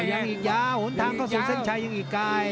ยังอีกยาวหนทางเข้าสู่เส้นชัยยังอีกไกล